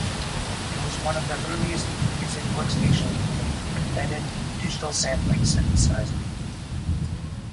It was one of the earliest music workstations with an embedded digital sampling synthesizer.